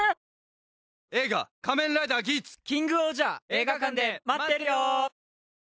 映画館で待ってるよ！